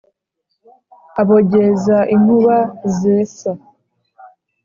Abogeza inkuba zesa,